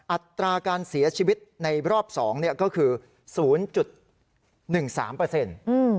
อัตราการเสียชีวิตในรอบสองเนี่ยก็คือ๐๑๓เปอร์เซ็นต์